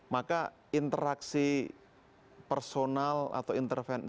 maka interaksi personal atau intervensi